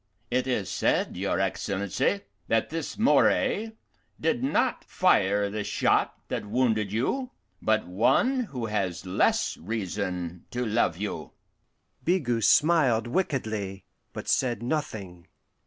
It is said, your Excellency, that this Moray did not fire the shot that wounded you, but one who has less reason to love you." Bigot smiled wickedly, but said nothing.